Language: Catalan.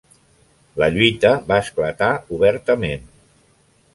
La lluita va esclatar obertament.